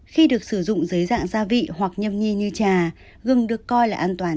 khi được sử dụng dưới dạng gia vị hoặc nhâm nhi như trà gừng được coi là an toàn